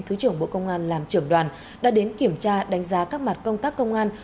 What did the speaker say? chủng bộ công an làm trưởng đoàn đã đến kiểm tra đánh giá các mặt công tác công an